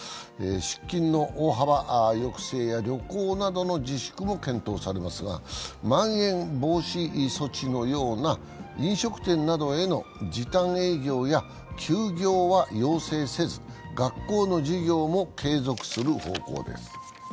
出勤の大幅抑制や旅行などの自粛なども検討されますが、まん延防止措置のような飲食店などへの時短営業や休業は要請せず学校の授業も継続する方向です。